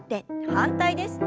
反対です。